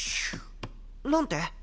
何て？